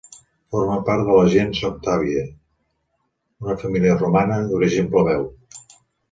Formava part de la gens Octàvia, una família romana d'origen plebeu.